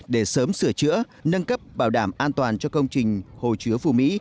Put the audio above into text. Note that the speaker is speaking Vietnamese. để sớm sửa chữa nâng cấp bảo đảm an toàn cho công trình hồ chứa phù mỹ